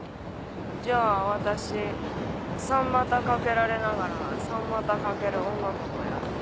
じゃあ私三股かけられながら三股かける女の子やる。